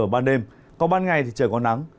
ban đêm còn ban ngày thì trời có nắng